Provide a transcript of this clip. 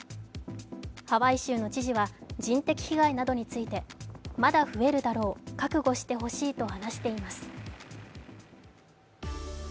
ハワイ州の知事は、人的被害などについて、まだ増えるだろう、覚悟してほしいと話しています。